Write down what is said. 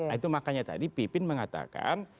nah itu makanya tadi pipin mengatakan